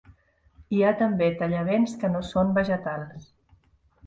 Hi ha també tallavents que no són vegetals.